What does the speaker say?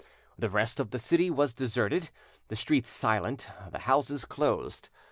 The rest of the city was deserted, the streets silent, the houses closed.